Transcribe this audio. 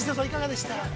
いかがでした？